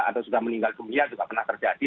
atau sudah meninggal dunia juga pernah terjadi